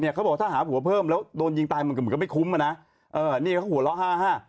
เขาบอกถ้าหาผัวเพิ่มแล้วโดนยิงตายมันก็เหมือนกับไม่คุ้มอ่ะนะเออนี่เขาหัวเราะห้าห้า